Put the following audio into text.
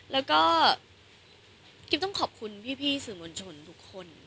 แล้วก็กิ๊บต้องขอบคุณพี่สื่อมวลชนทุกคน